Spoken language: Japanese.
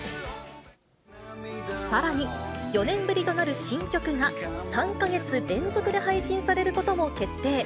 さらに４年ぶりとなる新曲が、３か月連続で配信されることも決定。